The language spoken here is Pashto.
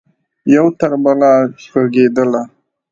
یو تربله ږغیدله